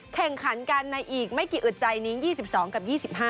แข่งขันกันในอีกไม่กี่อึดใจนี้๒๒กับ๒๕